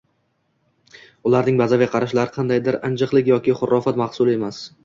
Ularning bazaviy qarashlari qandaydir injiqlik yoki xurofot mahsuli emas